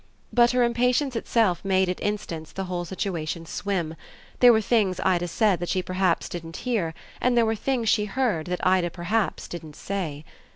But her impatience itself made at instants the whole situation swim; there were things Ida said that she perhaps didn't hear, and there were things she heard that Ida perhaps didn't say.